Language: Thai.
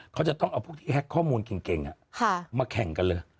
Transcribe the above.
เขาจะต้องเอาพวกที่แฮ็กข้อมูลเก่งมาแข่งกันเลย